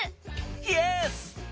イエス！